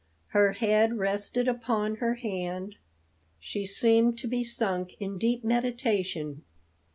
Her head rested upon her hand; she seemed to be sunk in deep meditation.